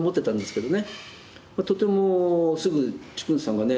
とてもすぐ治勲さんがね